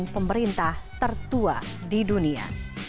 dan pemerintah tertua di dunia